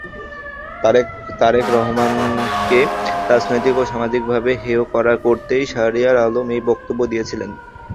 তারেক রহমানকে রাজনৈতিক ও সামাজিকভাবে হেয় করতেই শাহরিয়ার আলম এই বক্তব্য দিয়েছেন।